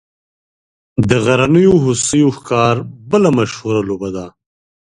د غرنیو هوسیو ښکار بله مشهوره لوبه ده